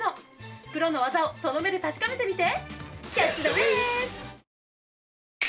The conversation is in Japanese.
プロの技をその目で確かめてみて！